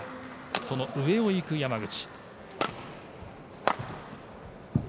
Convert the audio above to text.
その上をいく山口。